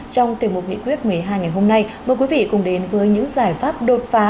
trong tiềm mục nghị quyết một mươi hai ngày hôm nay mời quý vị cùng đến với những giải pháp đột phá